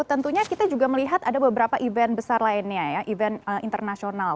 tentunya kita juga melihat ada beberapa event besar lainnya ya event internasional